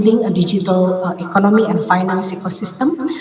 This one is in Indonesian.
membangun ekonomi dan ekosistem